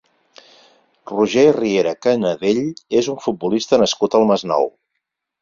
Roger Riera Canadell és un futbolista nascut al Masnou.